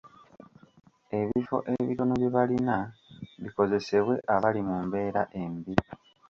Ebifo ebitono bye balina bikozesebwe abali mu mbeera embi